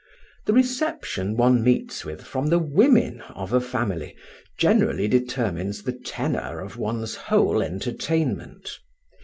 The reception one meets with from the women of a family generally determines the tenor of one's whole entertainment.